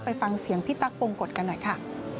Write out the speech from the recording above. ไปฟังเสียงพี่ตั๊กปงกฎกันหน่อยค่ะ